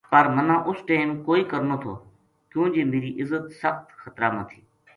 پر مَنا اُس ٹیم کوئی کرنو تھو کیوں جے میری عزت سخت خطرا ما تھی